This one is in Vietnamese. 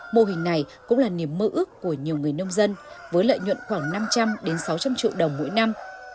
mô hình này cũng là niềm mơ ước của nhiều người nông dân với lợi nhuận khoảng năm trăm linh sáu trăm linh triệu đồng mỗi năm